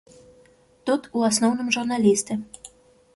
Тут, у асноўным журналісты.